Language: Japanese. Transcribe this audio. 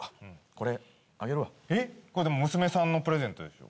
これでも娘さんのプレゼントでしょ？